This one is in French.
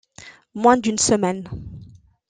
Moins d’une semaine.